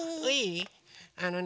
あのね。